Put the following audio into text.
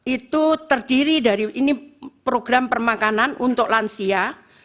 itu terdiri dari ini program permakanan untuk lansia